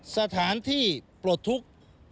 สถานที่ปลดทุกข์